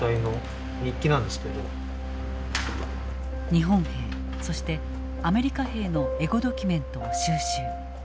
日本兵そしてアメリカ兵のエゴドキュメントを収集。